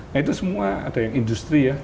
nah itu semua ada yang industri ya